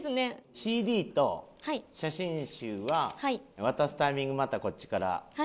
ＣＤと写真集は渡すタイミングまたこっちから言うから。